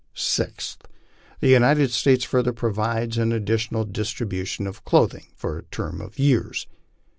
Sixth. The United States further provides for an annual distribution of clothing for a term of years.